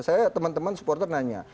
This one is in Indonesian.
saya teman teman supporter nanya